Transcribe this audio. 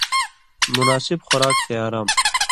مناسب خوراک تے آرام۔